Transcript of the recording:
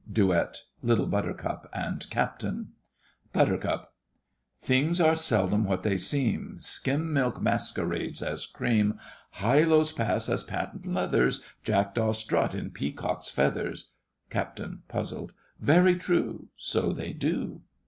DUET—LITTLE BUTTERCUP and CAPTAIN BUT, Things are seldom what they seem, Skim milk masquerades as cream; Highlows pass as patent leathers; Jackdaws strut in peacock's feathers. CAPT. (puzzled). Very true, So they do.